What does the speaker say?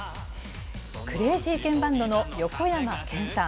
クレイジーケンバンドの横山剣さん。